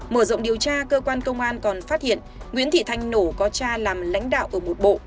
mở rộng điều tra cơ quan công an còn phát hiện nguyễn thị thanh nổ có cha làm lãnh đạo ở một bộ